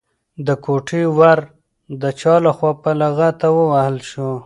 د کوټې ور د چا لخوا په لغته ووهل شو؟